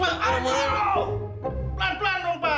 aduh pelan pelan dong pak